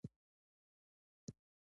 د سپین بولدک بندر په کندهار کې دی